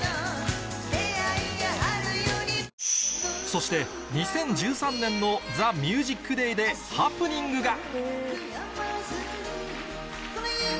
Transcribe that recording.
そして２０１３年の『ＴＨＥＭＵＳＩＣＤＡＹ』でハプニングが